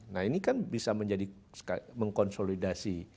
nah ini kan bisa menjadi mengkonsolidasi